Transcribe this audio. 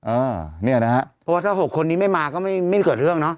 เออเนี่ยนะฮะเพราะว่าถ้า๖คนนี้ไม่มาก็ไม่เกิดเรื่องเนาะ